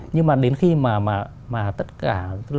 nhưng mà đến khi mà tất cả